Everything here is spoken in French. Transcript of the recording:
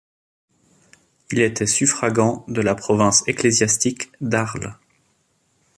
Il était suffragant de la province ecclésiastique d'Arles.